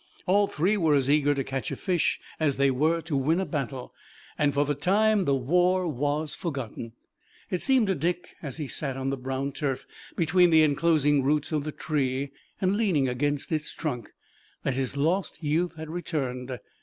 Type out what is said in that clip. All three were as eager to catch a fish as they were to win a battle, and, for the time, the war was forgotten. It seemed to Dick as he sat on the brown turf between the enclosing roots of the tree, and leaning against its trunk, that his lost youth had returned.